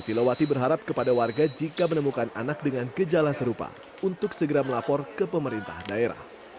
silawati berharap kepada warga jika menemukan anak dengan gejala serupa untuk segera melapor ke pemerintah daerah